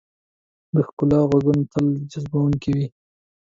د ښکلا ږغونه تل جذبونکي وي.